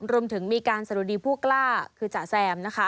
รวมถึงมีการสะดุดีผู้กล้าคือจ๋าแซมนะคะ